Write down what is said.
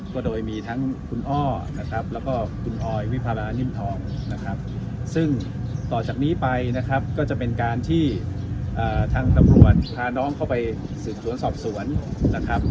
ก็โดยมีทั้งคุณอ้อนะครับแล้วก็คุณออยวิพารานิ่มทองนะครับซึ่งต่อจากนี้ไปนะครับก็จะเป็นการที่ทางตำรวจพาน้องเข้าไปสืบสวนสอบสวนนะครับ